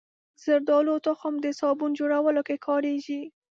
زردالو تخم د صابون جوړولو کې کارېږي.